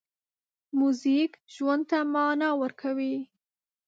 موزیک ژوند ته مانا ورکوي.